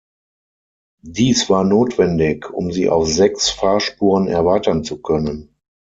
Dies war notwendig, um sie auf sechs Fahrspuren erweitern zu können.